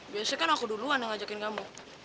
biasanya kan aku duluan yang ngajakin kamu